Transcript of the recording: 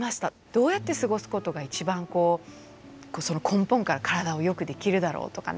どうやって過ごすことが一番根本から体をよくできるだろうとかね。